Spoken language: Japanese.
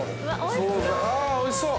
◆おいしそう。